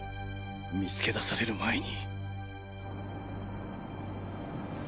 見つけだされる前に。